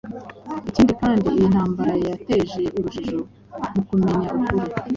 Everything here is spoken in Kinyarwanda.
Ikindi kandi iyi ntambara yateje urujijo mu kumenya ukuri